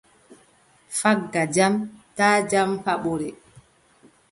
Fagga jam taa jam jaɓore.